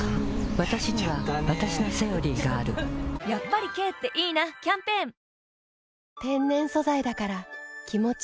わたしにはわたしの「セオリー」があるやっぱり軽っていいなキャンペーンあ！